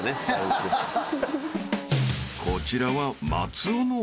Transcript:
［こちらは］